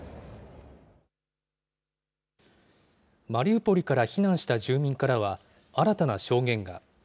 マリウポリから避難した住民からは、新たな証言が。